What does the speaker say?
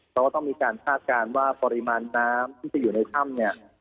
เพราะว่าต้องมีการคาดการณ์ว่าปริมาณน้ำที่จะอยู่ในถ้ำเนี่ย